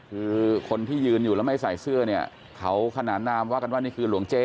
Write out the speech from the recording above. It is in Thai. คือคนที่ยืนอยู่แล้วไม่ใส่เสื้อเนี่ยเขาขนานนามว่ากันว่านี่คือหลวงเจ๊